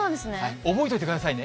覚えといてくださいね。